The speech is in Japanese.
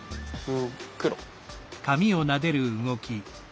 黒。